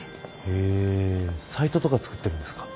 へえサイトとか作ってるんですか。